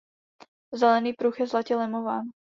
Zelený pruh je zlatě lemován.